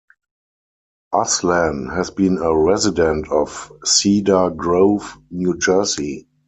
Uslan has been a resident of Cedar Grove, New Jersey.